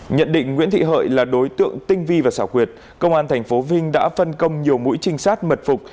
nhận định nguyễn thị hợi là đối tượng tinh vi và xảo quyệt công an tp vinh đã phân công nhiều mũi trinh sát mật phục